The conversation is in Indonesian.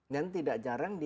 dan tidak jarang